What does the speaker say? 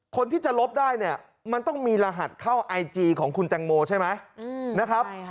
คนที่จะลบได้เนี่ยมันต้องมีรหัสเข้าไอจีของคุณแตงโมใช่ไหมนะครับ